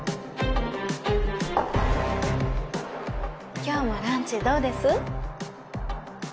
今日もランチどうです？